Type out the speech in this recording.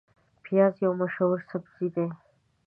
پیاز یو مشهور سبزی دی